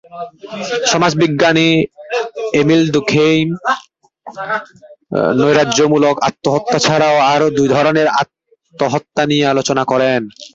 সমাজবিজ্ঞানী Emile Durkheim নৈরাজ্যমূলক আত্মহত্যা ছাড়াও আরও দুই ধরনের আত্মহত্যা নিয়ে আলোচনা করেন।